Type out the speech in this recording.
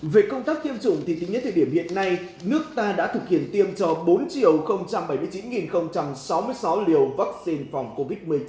về công tác tiêm chủng thì tính đến thời điểm hiện nay nước ta đã thực hiện tiêm cho bốn bảy mươi chín sáu mươi sáu liều vaccine phòng covid một mươi chín